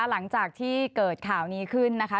หลังจากที่เกิดข่าวนี้ขึ้นนะคะ